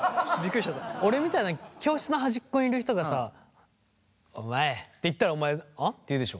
俺みたいな教室の端っこにいる人がさ「お前」って言ったら「お前？あ」って言うでしょ。